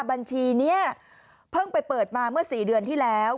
บัญชีนี้เพิ่งไปเปิดมาเมื่อ๔เดือนที่แล้ว